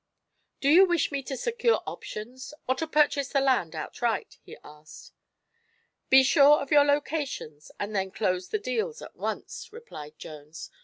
"Do you wish me to secure options, or to purchase the land outright?" he asked. "Be sure of your locations and then close the deals at once," replied Jones.